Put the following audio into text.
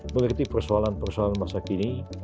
mengerti persoalan persoalan masa kini